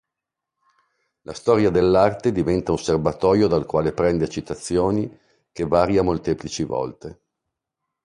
La storia dell'arte diventa un serbatoio dal quale prende citazioni che varia molteplici volte.